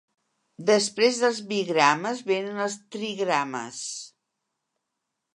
Després del "bigrames" venen els "trigrames".